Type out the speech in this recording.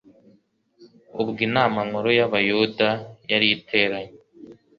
Ubwo Inama Nkuru y'Abayuda yari iteranye,